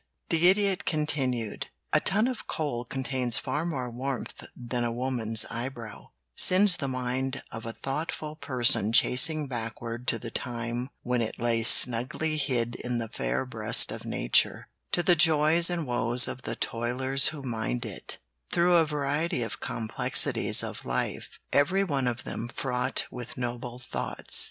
The Idiot continued: [Illustration: "'THE JOYS AND WOES OF THE TOILERS WHO MINED IT'"] "A ton of coal contains far more warmth than a woman's eyebrow; sends the mind of a thoughtful person chasing backward to the time when it lay snugly hid in the fair breast of nature; to the joys and woes of the toilers who mined it; through a variety of complexities of life, every one of them fraught with noble thoughts.